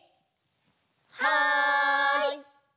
はい！